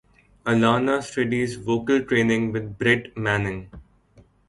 Alana studies vocal training with Brett Manning.